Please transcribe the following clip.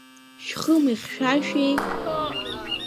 Шхәы мыхьшәашәеи?